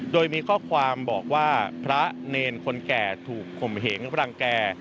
โดยมีข้อความบอกว่าพระเนรคนแก่ถูกข่มเหงรังแก่